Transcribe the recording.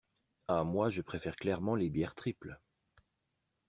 Ha moi je préfère clairement les bières triples.